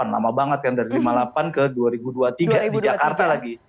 lama banget kan dari lima puluh delapan ke dua ribu dua puluh tiga di jakarta lagi